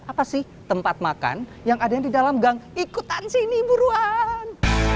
apa sih tempat makan yang ada di dalam gang ikutan sini buruan